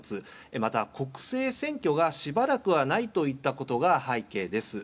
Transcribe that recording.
また、国政選挙がしばらくはないといったことが背景です。